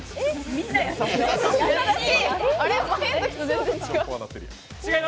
みんな優しい！